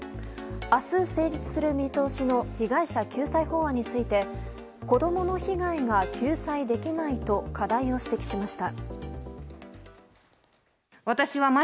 明日、成立する見通しの被害者救済法案について子供の被害が救済できないと課題を指摘しました。